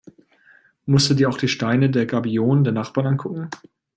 Musst du dir auch die Steine der Gabionen der Nachbarn angucken?